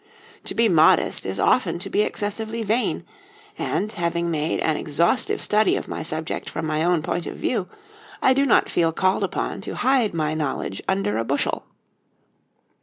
To be modest is often to be excessively vain, and, having made an exhaustive study of my subject from my own point of view, I do not feel called upon to hide my knowledge under a bushel.